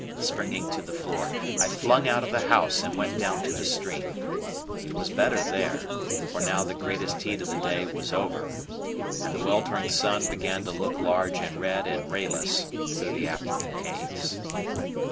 Springing to the floor, I flung out of the house and went down to the stream. It was better there, for now the greatest heat of the day was over, and the weltering sun began to look large and red and rayless through the afternoon haze.